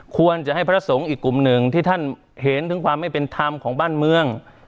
ควรจะให้พระสงฆ์อีกกลุ่มหนึ่งที่ท่านเห็นถึงความไม่เป็นธรรมของบ้านเมือง